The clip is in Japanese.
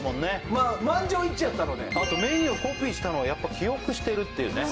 まあ満場一致やったのであとメニューコピーしたのやっぱ記憶してるっていうね